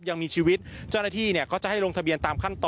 ยังมีชีวิตเจ้าหน้าที่เนี่ยก็จะให้ลงทะเบียนตามขั้นตอน